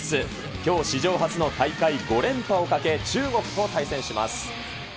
きょう史上初の大会５連覇をかけ、中国と対戦します。